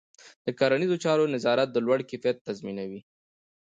د کرنيزو چارو نظارت د لوړ کیفیت تضمینوي.